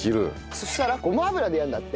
そしたらごま油でやるんだって。